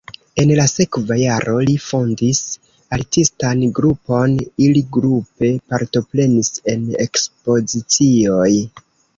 En la sekva jaro li fondis artistan grupon, ili grupe partoprenis en ekspozicioj.